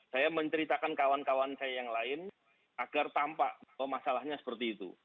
saya menceritakan kawan kawan saya yang lain agar tampak bahwa masalahnya seperti itu